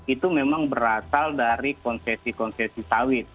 itu memang berasal dari konsesi konsesi sawit